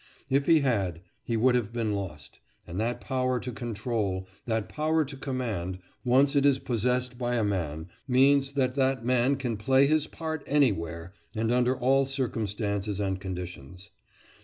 If he had, he would have been lost. And that power to control, that power to command, once it is possessed by a man, means that that man can play his part anywhere, and under all circumstances and conditions.